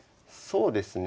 そうですね。